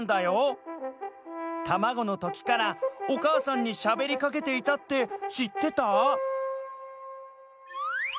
たまごのときからおかあさんにしゃべりかけていたってしってた？